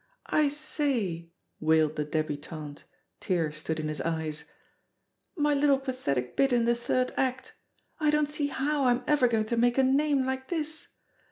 "I say/* wailed the debutant — ^tears stood in his eyes — "my little pathetic bit in the third act! I don't see how I'm ever going to make a name like this.